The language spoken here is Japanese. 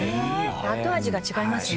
後味が違いますね。